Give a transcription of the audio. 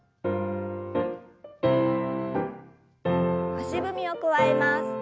足踏みを加えます。